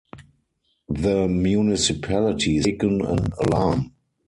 The municipalities had taken an alarm.